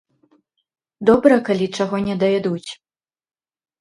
Добра, калі чаго не даядуць.